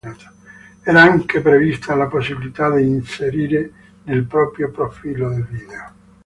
Era anche prevista la possibilità di inserire nel proprio profilo dei video.